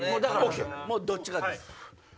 もうどっちかです。